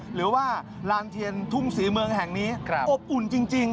หรือว่าลานเทียนทุ่งศรีเมืองแห่งนี้อบอุ่นจริง